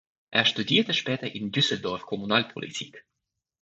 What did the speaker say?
Er studierte später in Düsseldorf Kommunalpolitik.